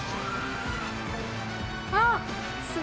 あっ！